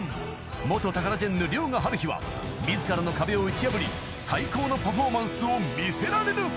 ［元タカラジェンヌ遼河はるひは自らの壁を打ち破り最高のパフォーマンスを見せられるか⁉］